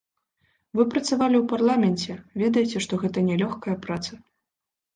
Вы працавалі ў парламенце, ведаеце, што гэта нялёгкая праца.